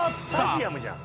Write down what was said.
スタジアムじゃん。